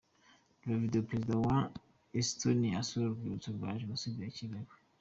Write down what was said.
Reba Video Perezida wa Estonia asura Urwibutso rwa Jenoside rwa Kigali.